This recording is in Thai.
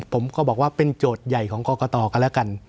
ผมก็บอกว่าเป็นโจทย์ใหญ่ของกรกตกันแล้วกัน